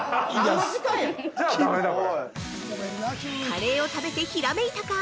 ◆カレーを食べてひらめいたか！？